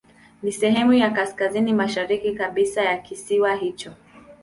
Ni sehemu ya kaskazini mashariki kabisa ya kisiwa hicho.